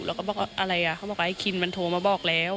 แล้วก็บอกว่าอะไรอ่ะเขาบอกว่าไอ้คินมันโทรมาบอกแล้ว